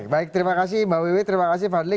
baik terima kasih mbak wiwi terima kasih fadli